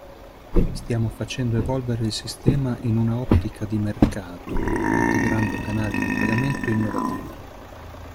Stiamo facendo evolvere il sistema in una ottica di mercato integrando canali di pagamento innovativi.